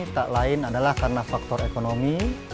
tak lain adalah karena faktor ekonomi